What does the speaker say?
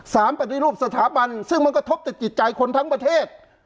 ปฏิรูปสถาบันซึ่งมันกระทบติดจิตใจคนทั้งประเทศ